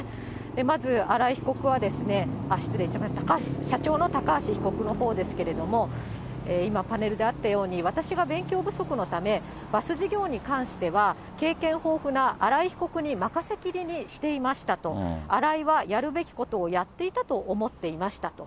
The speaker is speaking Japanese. まず、荒井被告は、失礼しました、社長の高橋被告のほうですけれども、今、パネルであったように、私が勉強不足のため、バス事業に関しては、経験豊富な荒井被告に任せきりにしていましたと、荒井はやるべきことをやっていたと思っていましたと。